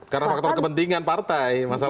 karena faktor kepentingan partai